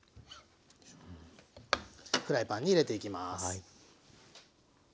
フライパンに入れていきます。